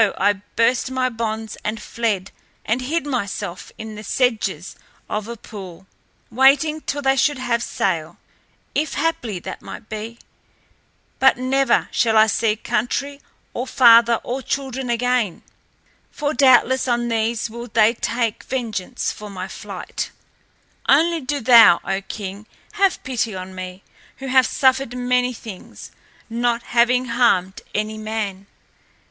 I burst my bonds and fled and hid myself in the sedges of a pool, waiting till they should have set sail, if haply that might be. But never shall I see country or father or children again. For doubtless on these will they take vengeance for my flight. Only do thou, O King, have pity on me, who have suffered many things, not having harmed any man."